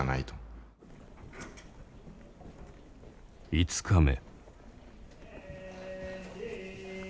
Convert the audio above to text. ５日目。